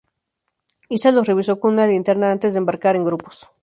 Issa los revisó con una linterna antes de embarcar en grupos.